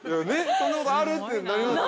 ◆そんなことある？ってなりますよね。